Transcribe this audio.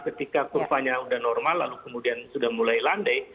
ketika kurvanya sudah normal lalu kemudian sudah mulai landai